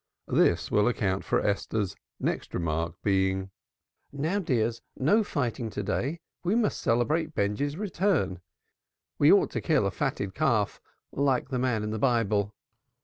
This will account for Esther's next remark being, "Now, dears, no fighting to day. We must celebrate Benjy's return. We ought to kill a fatted calf like the man in the Bible."